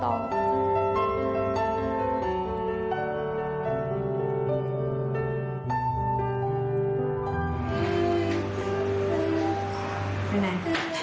ไปไหน